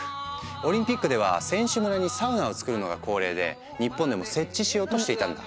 オリンピックでは選手村にサウナを作るのが恒例で日本でも設置しようとしていたんだ。